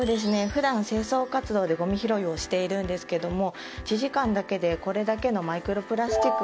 普段清掃活動でごみ拾いをしているんですけども１時間だけでこれだけのマイクロプラスチックが拾えます。